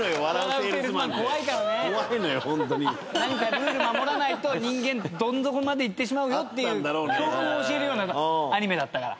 ルール守らないと人間どん底まで行ってしまうよっていう教訓を教えるようなアニメだったから。